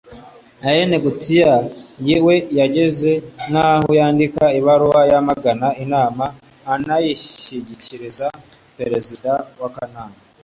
alain gauthier we yageze n'aho yandika ibaruwa yamagana inama anayishyikiriza perezida w'akanama